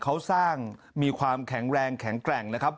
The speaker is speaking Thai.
เขาสร้างมีความแข็งแรงแข็งแกร่งนะครับ